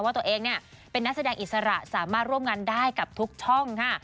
ว่าตัวเองเป็นนักแสดงอิสระสามารถร่วมงานได้กับทุกช่องค่ะ